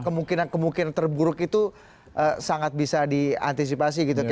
kemungkinan kemungkinan terburuk itu sangat bisa diantisipasi gitu kan